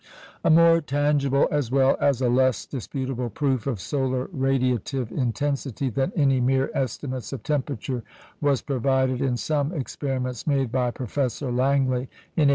A more tangible, as well as a less disputable proof of solar radiative intensity than any mere estimates of temperature, was provided in some experiments made by Professor Langley in 1878.